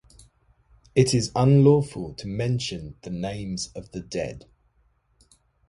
It is unlawful to mention the names of the dead.